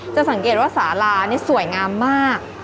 สังเกตว่าสารานี่สวยงามมาก